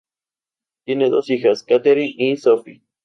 Tiene dos hijas: Katherine y Sophie.